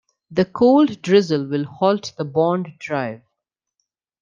The cold drizzle will halt the bond drive.